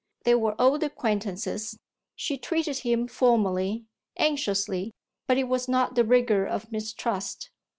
They were old acquaintances: she treated him formally, anxiously, but it was not the rigour of mistrust.